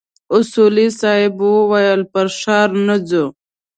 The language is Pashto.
اصولي صیب وويل پر ښار نه ورځو.